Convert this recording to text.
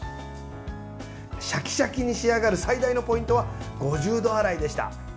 シャキシャキに仕上がる最大のポイントは５０度洗いでした。